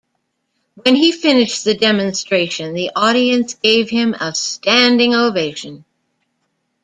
When he finished the demonstration, the audience gave him a standing ovation.